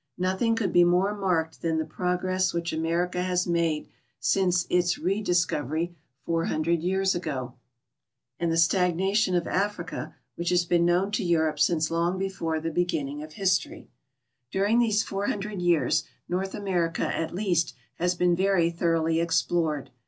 Nothing could be more marked than the progress which America has made since its rediscovery 400 years ago, and the stagnation of Africa, which has been known to Europe since long before the beginning t)f history. During these 400 years North America at least has been very thoroughly explored.